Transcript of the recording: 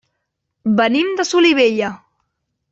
Venim de Solivella.